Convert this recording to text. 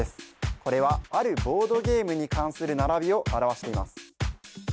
これはあるボードゲームに関する並びを表しています